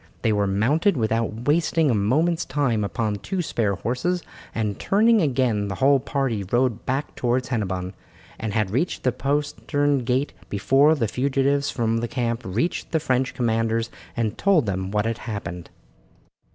They were mounted without wasting a moment's time upon two spare horses, and turning again the whole party rode back towards Hennebon, and had reached the postern gate before the fugitives from the camp reached the French commanders and told them what had happened.